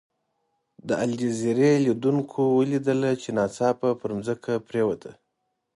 د الجزیرې لیدونکو ولیدله چې ناڅاپه پر ځمکه پرېوته.